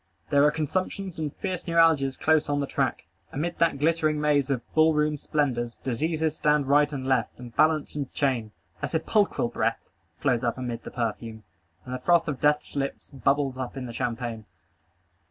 There are consumptions and fierce neuralgias close on the track. Amid that glittering maze of ball room splendors, diseases stand right and left, and balance and chain. A sepulchral breath floats up amid the perfume, and the froth of death's lip bubbles up in the champagne.